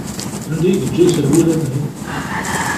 Anda i yeǧǧa iserwula-nni?